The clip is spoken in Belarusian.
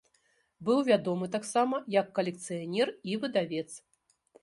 Быў вядомы таксама як калекцыянер і выдавец.